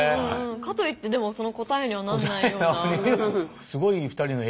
かといってでもその答えにはなんないような。